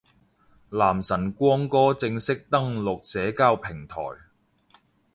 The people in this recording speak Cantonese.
男神光哥正式登陸社交平台